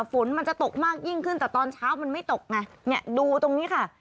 ฝนมันจะตกมากยิ่งขึ้นแต่ตอนเช้ามันไม่ตกไงเนี่ยดูตรงนี้ค่ะ